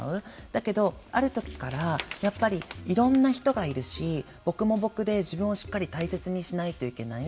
だけど、あるときからやっぱり、いろんな人がいるし僕も僕で自分をしっかり大切にしないといけない。